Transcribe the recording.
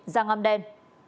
da ngăm đen